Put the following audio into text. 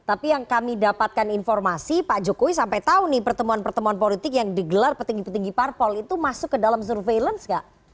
tapi yang kami dapatkan informasi pak jokowi sampai tahu nih pertemuan pertemuan politik yang digelar petinggi petinggi parpol itu masuk ke dalam surveillance gak